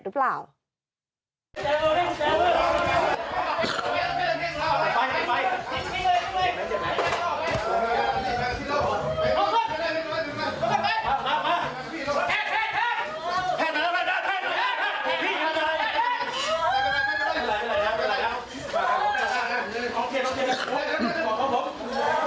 ถ่ายรถไปอีกครั้งนึง